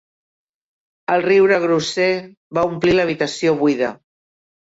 El riure grosser va omplir l'habitació buida.